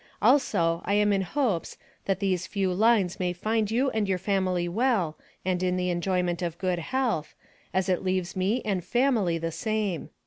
Also I am in hopes, that these few lines may find you and family well and in the enjoyment of good health, as it leaves me and family the same.